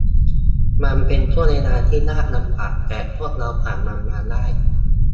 มันเป็นช่วงเวลาที่ยากลำบาก แต่พวกเราผ่านมันมาได้